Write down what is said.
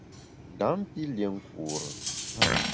Ndam pi lié nkure.